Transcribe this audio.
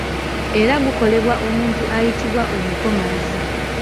Era gukolebwa omuntu ayitibwa omukomazi.